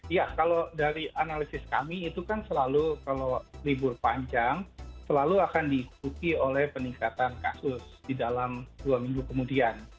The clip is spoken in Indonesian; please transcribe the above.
iya kalau dari analisis kami itu kan selalu kalau libur panjang selalu akan diikuti oleh peningkatan kasus di dalam dua minggu kemudian